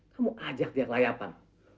kamu ajak dia ke layapan